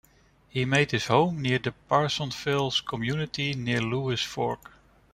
He made his home near the Parsonsville community near Lewis Fork.